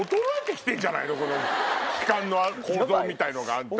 気管の構造みたいのがあんた。